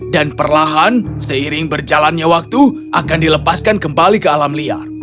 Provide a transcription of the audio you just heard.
dan perlahan seiring berjalannya waktu akan dilepaskan kembali ke alam liar